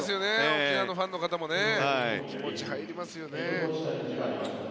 沖縄のファンの方も気持ちが入りますよね。